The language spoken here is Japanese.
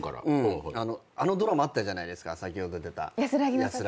あのドラマあったじゃないですか先ほど出た『やすらぎ』